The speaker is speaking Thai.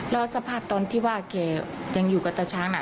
แล้วสภาพตอนที่ว่าแกยังอยู่กับตาช้างน่ะ